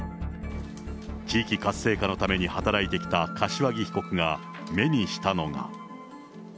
地域活性化のために働いてきた柏木被告が目にしたのが。